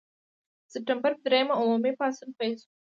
د سپټمبر پر دریمه عمومي پاڅون پیل شو.